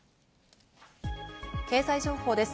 経済情報です。